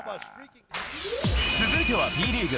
続いてはＢリーグ。